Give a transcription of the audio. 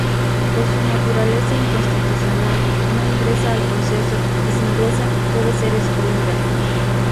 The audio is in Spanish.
Por su naturaleza inconstitucional, no ingresa al proceso y si ingresa, debe ser excluida.